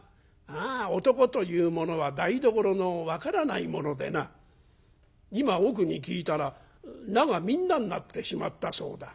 あ男というものは台所の分からないものでな今奥に聞いたら菜が皆になってしまったそうだ。